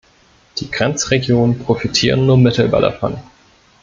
Die Grenzregionen profitieren nur mittelbar davon.